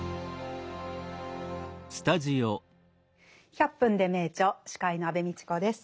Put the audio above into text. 「１００分ｄｅ名著」司会の安部みちこです。